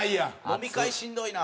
飲み会しんどいな。